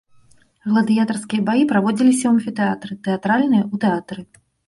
Гладыятарскія баі праводзіліся ў амфітэатры, тэатральныя ў тэатры.